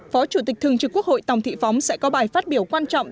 phó chủ tịch thường trực quốc hội tòng thị phóng sẽ có bài phát biểu quan trọng